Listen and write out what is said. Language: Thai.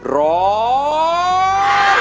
ร้อง